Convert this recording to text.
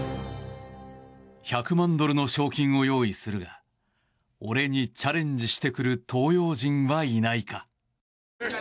１００万ドルの賞金を用意するが俺にチャレンジしてくる東洋人はいないか。